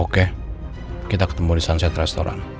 oke kita ketemu di sunset restoran